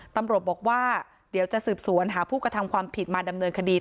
ตำรวจบอกว่าเดี๋ยวจะสืบสวนหาผู้กระทำความผิดมาดำเนินคดี